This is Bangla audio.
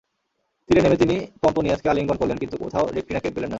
তীরে নেমে তিনি পম্পোনিয়াসকে আলিঙ্গন করলেন, কিন্তু কোথাও রেকটিনাকে পেলেন না।